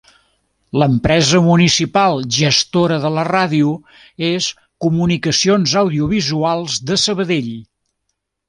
L'empresa municipal gestora de la ràdio és Comunicacions Audiovisuals de Sabadell.